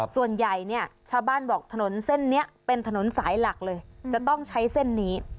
ส่วนใหญ่เนี่ยชาวบ้านบอกถนนเส้นนี้เป็นถนนสายหลักเลยจะต้องใช้เส้นนี้